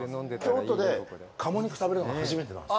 京都で鴨肉食べるのが初めてなんです。